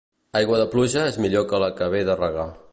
Aigua de pluja és millor que la que ve de regar.